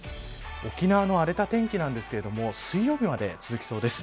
沖縄の荒れた天気なんですけど水曜日まで続きそうです。